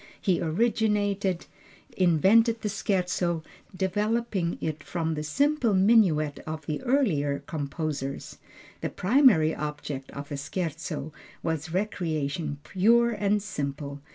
He originated, invented the Scherzo, developing it from the simple minuet of the earlier composers. The primary object of the Scherzo was recreation pure and simple.